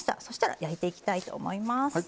そしたら焼いていきたいと思います。